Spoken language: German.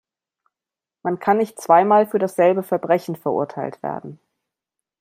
Man kann nicht zweimal für dasselbe Verbrechen verurteilt werden.